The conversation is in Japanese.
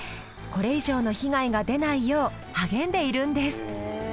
これ以上の被害が出ないよう励んでいるんです。